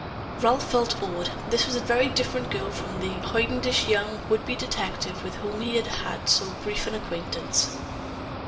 Ralph felt awed. This was a very different girl from the hoidenish young would be detective with whom he had so brief an acquaintance.